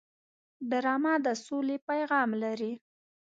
ډرامه د سولې پیغام لري